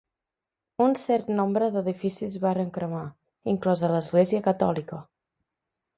Un cert nombre d'edificis varen cremar, inclosa l'església catòlica.